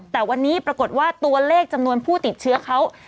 แต่วันนี้ปรากฏว่าตัวเลขจำนวนผู้ติดเชื้อเขา